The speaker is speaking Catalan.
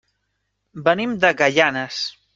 Venim de Gaianes.